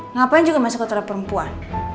ngapain juga masuk toilet perempuan